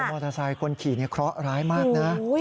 มอเตอร์ไซค์คนขี่เคราะห์ร้ายมากนะ